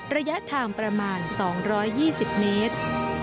ระยะทางประมาณ๒๒๐เมตร